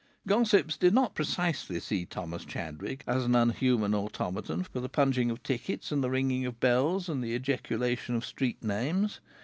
Gossips did not precisely see Thomas Chadwick as an unhuman automaton for the punching of tickets and the ringing of bells and the ejaculation of street names.